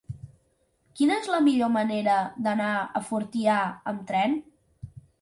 Quina és la millor manera d'anar a Fortià amb tren?